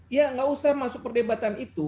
ya nggak usah masuk perdebatan itu